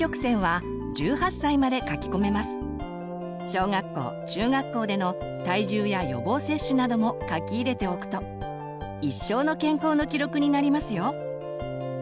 小学校中学校での体重や予防接種なども書き入れておくと一生の健康の記録になりますよ。